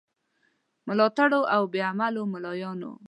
ملاتړو او بې علمو مُلایانو.